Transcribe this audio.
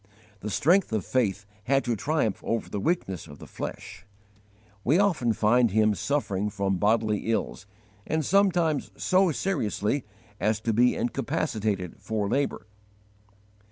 The strength of faith had to triumph over the weakness of the flesh. We often find him suffering from bodily ills, and sometimes so seriously as to be incapacitated for labour.